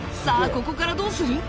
ここからどうする？